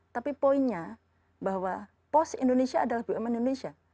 tapi poinnya bahwa pos indonesia adalah bumn indonesia